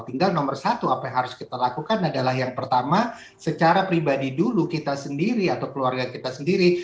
tinggal nomor satu apa yang harus kita lakukan adalah yang pertama secara pribadi dulu kita sendiri atau keluarga kita sendiri